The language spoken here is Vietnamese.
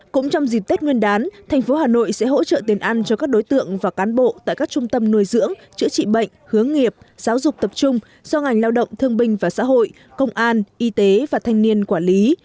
cũng trong dịp tết nguyên đán thành phố hà nội sẽ hỗ trợ tiền ăn cho các đối tượng và cán bộ tại các trung tâm nuôi dưỡng chữa trị bệnh hướng nghiệp giáo dục tập trung do ngành lao động thương binh và xã hội công an y tế và thanh niên quản lý